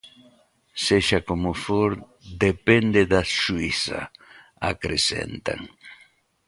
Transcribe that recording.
Sexa como for, "depende da xuíza", acrecentan.